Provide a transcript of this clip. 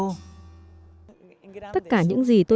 tất cả những gì tôi biết là những điều nhỏ bé